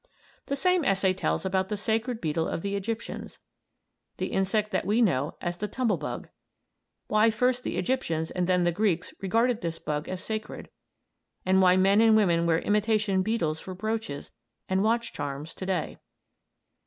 The same essay tells about the sacred beetle of the Egyptians, the insect that we know as the "tumblebug"; why first the Egyptians and then the Greeks regarded this bug as sacred; and why men and women wear imitation beetles for brooches and watch charms to day.